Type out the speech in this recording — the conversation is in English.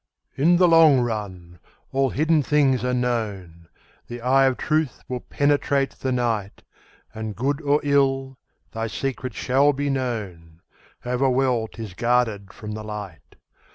In the long run all hidden things are known, The eye of truth will penetrate the night, And good or ill, thy secret shall be known, However well 'tis guarded from the light.